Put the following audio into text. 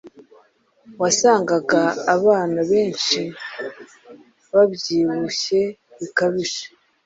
wasangaga abana benshi babyibushye bikabije.